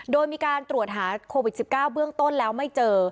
โดยมีการตรวจหาโควิด๑๙เบื้องต้นแล้วไม่เจอ